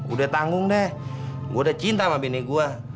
udah tanggung deh gue udah cinta sama bine gue